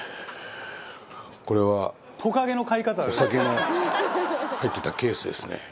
これはお酒の入ってたケースですね。